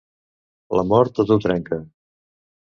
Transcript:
La mort tot ho trenca.